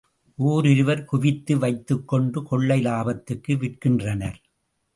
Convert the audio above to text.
ஓரிருவர் குவித்து வைத்துக்கொண்டு கொள்ளை லாபத்துக்கு விற்கின்றனர்.